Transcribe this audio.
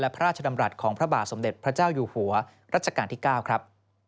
พระราชดำรัฐของพระบาทสมเด็จพระเจ้าอยู่หัวรัชกาลที่๙ครับ